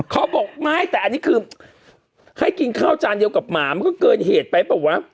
เขาบอกไม่แต่อันนี้คือให้กินข้าวจานเดียวกับหมามันก็เกินเหตุไปเปล่าวะ